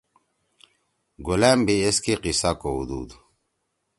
گلأم بھی ایس کے قیصہ کودُود۔